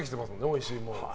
おいしいものは。